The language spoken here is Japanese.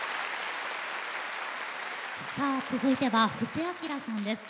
さあ続いては布施明さんです。